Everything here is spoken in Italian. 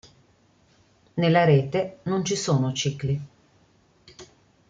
Nella rete non ci sono cicli.